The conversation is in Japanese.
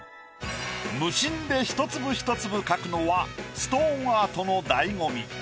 無心で１粒１粒描くのはストーンアートの醍醐味。